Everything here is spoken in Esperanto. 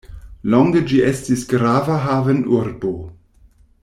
Longe ĝi estis grava havenurbo.